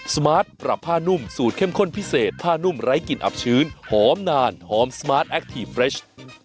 สมาร์ทปรับผ้านุ่มสูตรเข้มข้นพิเศษผ้านุ่มไร้กลิ่นอับชื้นหอมนานหอมสมาร์ทแอคทีฟเรช